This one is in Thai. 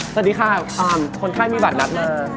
สวัสดีค่ะคุณไข้มีบัตรนัดมา